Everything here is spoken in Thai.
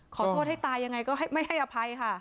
ขอโทษให้ตายยังไงก็ไม่ให้อภัยค่ะ